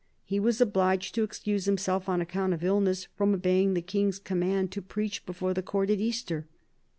He was obliged to excuse himself, on account of illness, from obeying the King's command to preach before the Court at Easter.